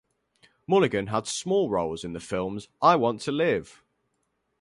Mulligan had small roles in the films I Want to Live!